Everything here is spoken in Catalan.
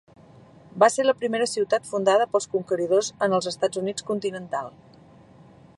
Va ser la primera ciutat fundada pels conqueridors en els Estats Units continental.